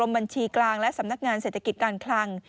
บัญชีกลางและสำนักงานเศรษฐกิจการคลัง